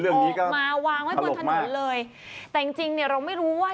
ออกมาวางไว้งั้นทางนี้เลยแต่จริงเนี่ยเราไม่รู้ว่า